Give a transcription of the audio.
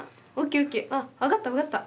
分かった分かった！